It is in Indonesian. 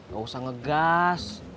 gak usah ngegas